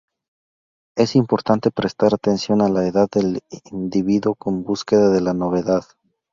Es importante prestar atención a la edad del individuo con Búsqueda de la Novedad.